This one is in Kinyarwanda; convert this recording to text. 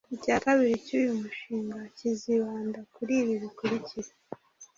icya kabiri cy’uyu mushinga kizibanda kuri ibi bikurikira